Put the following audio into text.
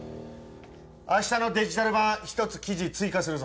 明日のデジタル版１つ記事追加するぞ。